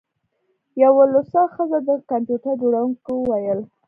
یوه لوڅه ښځه د کمپیوټر جوړونکي وویل